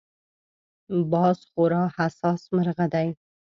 باز خورا حساس مرغه دی